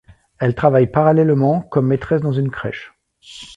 Elle travaille parallèlement comme maîtresse dans une crèche.